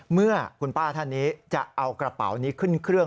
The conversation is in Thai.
เมื่อคุณป้าท่านนี้จะเอากระเป๋านี้ขึ้นเครื่อง